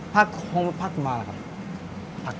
ผักมานะครับ